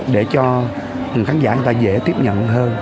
để cho khán giả người ta dễ tiếp nhận hơn